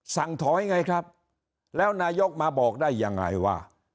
สั่งถอยไงครับแล้วนายกมาบอกได้ยังไงว่า